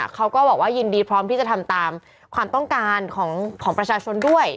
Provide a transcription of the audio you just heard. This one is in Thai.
เขาก็บอกว่ายินดีพร้อมที่จะทำตามความต้องการของประชาชนด้วย